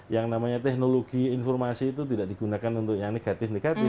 yang namanya teknologi informasi itu tidak digunakan untuk yang negatif negatif